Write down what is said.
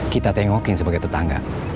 kita tengokin sebagai tetangga